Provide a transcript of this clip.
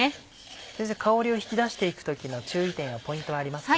先生香りを引き出していく時の注意点やポイントはありますか？